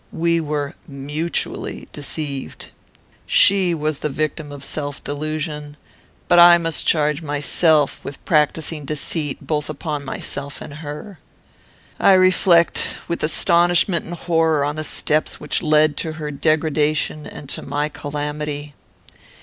We were mutually deceived. She was the victim of self delusion; but I must charge myself with practising deceit both upon myself and her. "I reflect with astonishment and horror on the steps which led to her degradation and to my calamity.